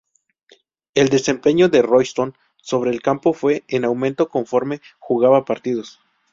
El desempeño de Royston sobre el campo fue en aumento conforme jugaba partidos.